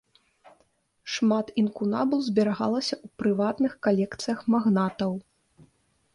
Шмат інкунабул зберагалася ў прыватных калекцыях магнатаў.